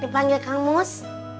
cepang ke kamus